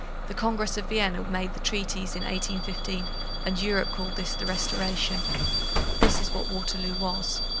The Congress of Vienna made the treaties in 1815, and Europe called this the Restoration. This is what Waterloo was.